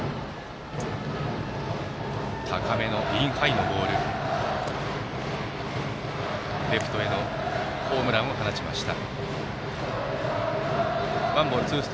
高めのインハイのボールレフトへのホームランを放ちました。